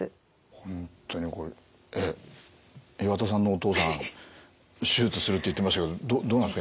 本当にこれえっ岩田さんのお父さん手術するって言ってましたけどどうなんですか？